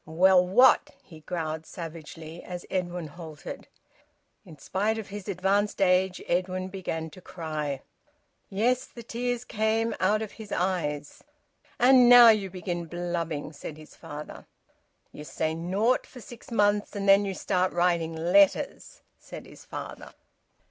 "Well, what?" he growled savagely, as Edwin halted. In spite of his advanced age Edwin began to cry. Yes, the tears came out of his eyes. "And now you begin blubbing!" said his father. "You say naught for six months and then you start writing letters!" said his father.